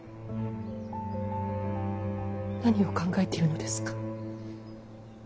何を考えているのですか。